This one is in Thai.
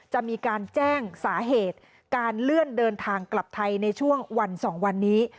จะมีการแจ้งสาเหตุการเลื่อนเดินทางกลับไทยในช่วงวัน๒วันนี้